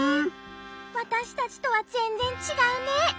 わたしたちとはぜんぜんちがうね。